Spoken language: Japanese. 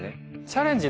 チャレンジ